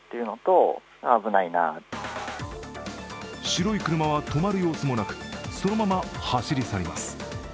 白い車は止まる様子もなく、そのまま走り去ります。